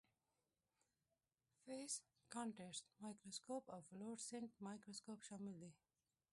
فیز کانټرسټ مایکروسکوپ او فلورسینټ مایکروسکوپ شامل دي.